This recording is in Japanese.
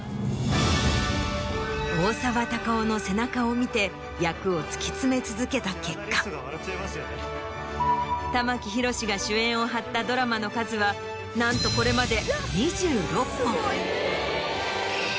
大沢たかおの背中を見て役を突き詰め続けた結果玉木宏が主演を張ったドラマの数はなんとこれまで。